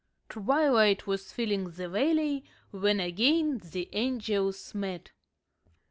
Twilight was filling the valley when again the angels met.